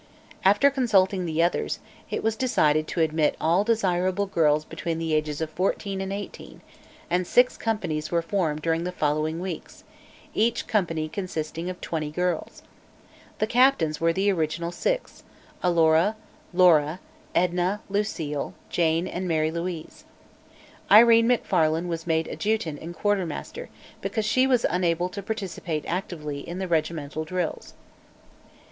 After consulting the others, it was decided to admit all desirable girls between the ages of 14 and 18, and six companies were formed during the following weeks, each company consisting of twenty girls. The captains were the original six Alora, Laura, Edna, Lucile, Jane and Mary Louise. Irene Macfarlane was made adjutant and quartermaster, because she was unable to participate actively in the regimental drills.